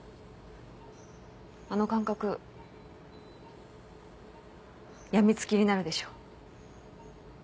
あの感覚病みつきになるでしょ。